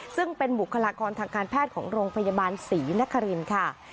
ซึ่งเป็นบุคลากรทางการแพทย์ของโรงพยาบาลศรีนครินค่ะ